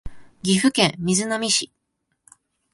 岐阜県瑞浪市